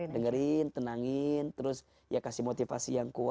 dengerin tenangin terus ya kasih motivasi yang kuat